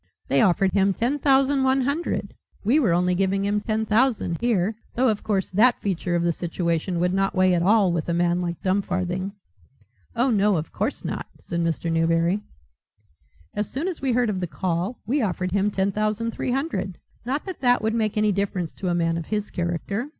They offered him ten thousand one hundred; we were only giving him ten thousand here, though of course that feature of the situation would not weigh at all with a man like Dumfarthing." "Oh no, of course not," said Mr. Newberry. "As soon as we heard of the call we offered him ten thousand three hundred not that that would make any difference to a man of his character.